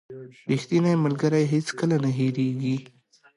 • ریښتینی ملګری هیڅکله نه هېریږي.